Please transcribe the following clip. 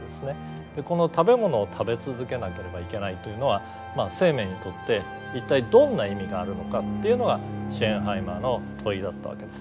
この食べ物を食べ続けなければいけないというのは生命にとって一体どんな意味があるのかっていうのがシェーンハイマーの問いだったわけです。